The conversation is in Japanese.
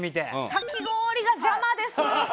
「かき氷」が邪魔です。